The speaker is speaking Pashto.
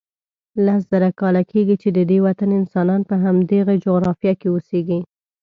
لس زره کاله کېږي چې ددې وطن انسانان په همدغه جغرافیه کې اوسیږي.